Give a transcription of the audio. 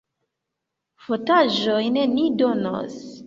Fotaĵojn ni donos.